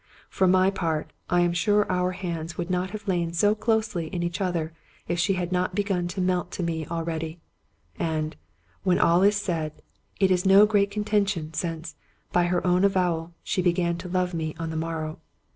For my part, I am sure our hands would not have lain so closely in each other if she had not begun to melt to me al ready. And, when all is said, it is no great contention, since, by her own avowal, she began to love me on the morrow.